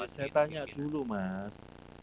saya tanya dulu mas